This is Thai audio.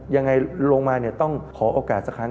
ยังไงลงมาเนี่ยต้องขอโอกาสสักครั้ง